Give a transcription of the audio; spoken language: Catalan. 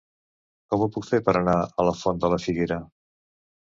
Com ho puc fer per anar a la Font de la Figuera?